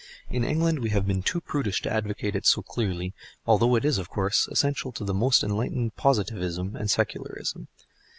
In England we have been too prudish to advocate it so clearly, although it is, of course, essential to the most enlightened Positivism and Secularism.